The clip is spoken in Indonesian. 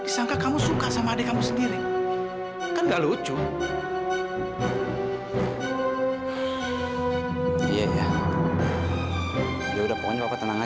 sampai jumpa di video selanjutnya